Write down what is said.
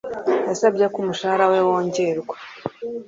Yasabye ko umushahara we wongerwa.